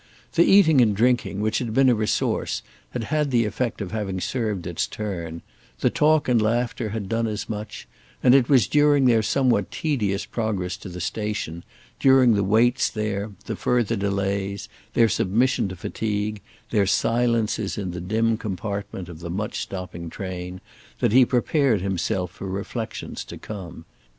The eating and drinking, which had been a resource, had had the effect of having served its turn; the talk and laughter had done as much; and it was during their somewhat tedious progress to the station, during the waits there, the further delays, their submission to fatigue, their silences in the dim compartment of the much stopping train, that he prepared himself for reflexions to come.